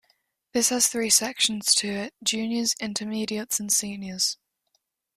This has three sections to it: juniors, intermediates and seniors.